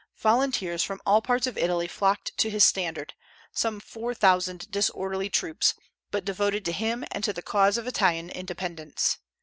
Volunteers from all parts of Italy flocked to his standard, some four thousand disorderly troops, but devoted to him and to the cause of Italian independence.